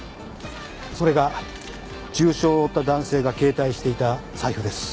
それが重傷を負った男性が携帯していた財布です。